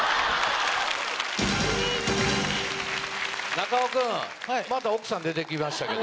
中尾君また奥さん出てきましたけど。